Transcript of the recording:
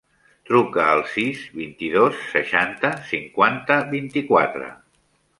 Truca al sis, vint-i-dos, seixanta, cinquanta, vint-i-quatre.